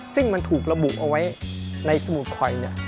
ซึ่งมันถูกระบุเอาไว้ในสมุดคอย